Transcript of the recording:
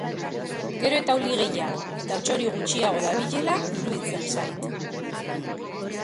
Gero eta euli gehiago eta txori gutxiago dabilela iruditzen zait.